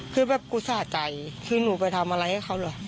คือแบบกูสะใจคือหนูไปทำอะไรให้เขาเหรอ